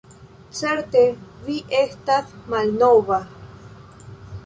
Certe vi estas malbona.